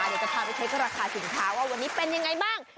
เดี๋ยวจะพาไปเช็คราคาสินค้าว่าวันนี้เป็นยังไงบ้าง